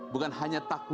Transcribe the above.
bukan hanya membersihkan